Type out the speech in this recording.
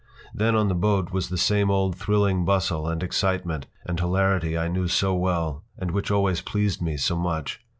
Then on the boat was the same old thrilling bustle and excitement and hilarity I knew so well and which always pleased me so much.